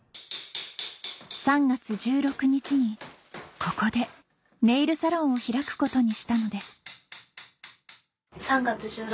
３月１６日にここでネイルサロンを開くことにしたのです